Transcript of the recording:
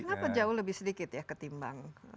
kenapa jauh lebih sedikit ya ketimbang